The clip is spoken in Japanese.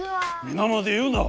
みなまで言うな！